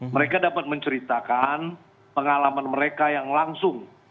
mereka dapat menceritakan pengalaman mereka yang langsung